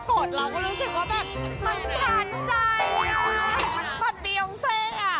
เราก็รู้สึกว่าแบบมันชัดใจ